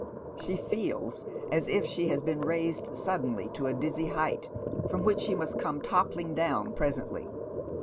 She feels as if she had been raised suddenly to a dizzy height, from which she must come toppling down presently.